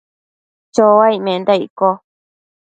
chouaic menda icco ?